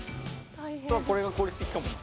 これが効率的かもな。